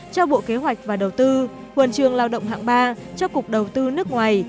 cho bộ kế hoạch và đầu tư huân trường lao động hạng ba cho cục đầu tư nước ngoài